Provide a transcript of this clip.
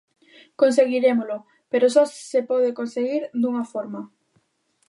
Conseguirémolo, pero só se pode conseguir dunha forma.